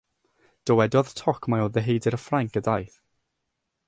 Dywedodd toc mai o ddeheudir Ffrainc y daeth.